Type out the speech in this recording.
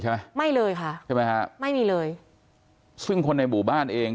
ไม่เลยค่ะใช่ไหมฮะไม่มีเลยซึ่งคนในหมู่บ้านเอง